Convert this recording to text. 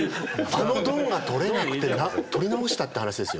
あのドンがとれなくて取り直したって話ですよ。